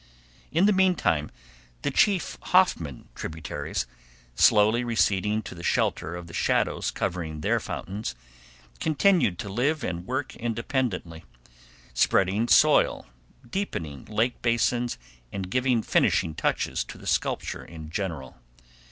In the meantime the chief Hoffman tributaries, slowly receding to the shelter of the shadows covering their fountains, continued to live and work independently, spreading soil, deepening lake basins and giving finishing touches to the sculpture in general.